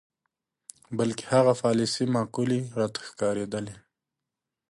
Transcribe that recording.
بلکې هغه پالیسۍ معقولې راته ښکارېدلې.